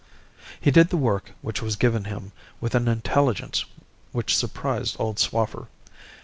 "He did the work which was given him with an intelligence which surprised old Swaffer.